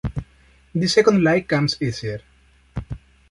The second lie comes easier.